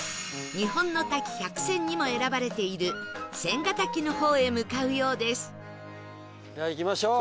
日本の滝１００選にも選ばれている仙娥滝の方へ向かうようです